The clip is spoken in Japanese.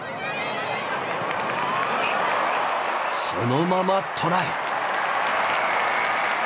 そのままトライ！